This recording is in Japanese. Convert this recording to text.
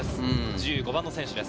１５番の選手です。